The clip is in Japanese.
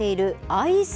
アイス？